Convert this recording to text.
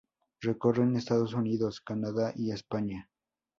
Recorren Estados Unidos, Canadá y España.